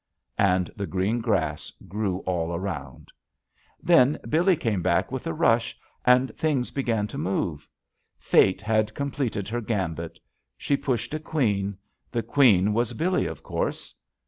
And the green grass grew all around. Then Billee came back with a rush, and JUST SWEETHEARTS things began to move. Fate had completed her gambit. She pushed a queen. The queen was Billee, of course.